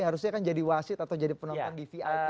harusnya kan jadi wasit atau jadi penonton di vip